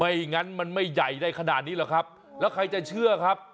อย่างนั้นมันไม่ใหญ่ได้ขนาดนี้หรอกครับแล้วใครจะเชื่อครับ